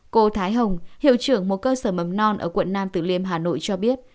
cô thái hồng hiệu trưởng một cơ sở mầm non ở quận nam tử liêm hà nội cho biết